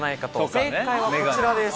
正解はこちらです。